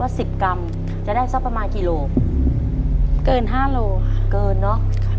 ว่าสิบกำจะได้สักประมาณกี่โลเกินห้าโลเกินเนอะค่ะ